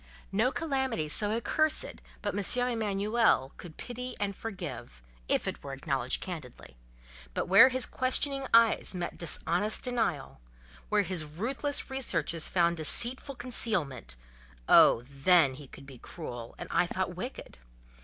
No calamity so accursed but M. Emanuel could pity and forgive, if it were acknowledged candidly; but where his questioning eyes met dishonest denial—where his ruthless researches found deceitful concealment—oh, then, he could be cruel, and I thought wicked!